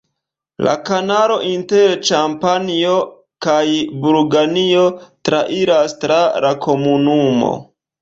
La kanalo inter Ĉampanjo kaj Burgonjo trairas tra la komunumo.